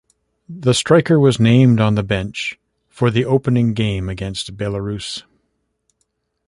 The striker was named on the bench for the opening game against Belarus.